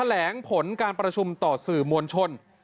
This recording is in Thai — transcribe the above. แหลงผลการประชุมต่อสื่อมวลชน